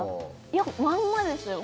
いやまんまですよ